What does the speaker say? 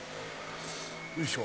よいしょ。